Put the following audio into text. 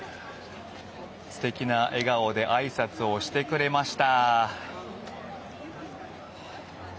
すてきな笑顔であいさつをしてくれました。